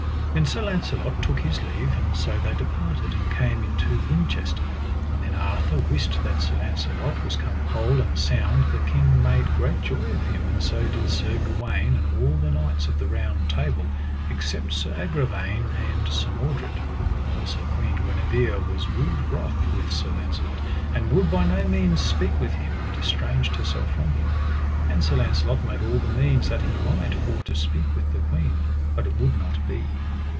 Then Sir Launcelot took his leave, and so they departed, and came unto Winchester. And when Arthur wist that Sir Launcelot was come whole and sound the king made great joy of him, and so did Sir Gawaine and all the knights of the Round Table except Sir Agravaine and Sir Mordred. Also Queen Guenever was wood wroth with Sir Launcelot, and would by no means speak with him, but estranged herself from him; and Sir Launcelot made all the means that he might for to speak with the queen, but it would not be.